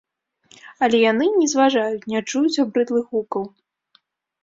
Але яны не зважаюць, не чуюць абрыдлых гукаў.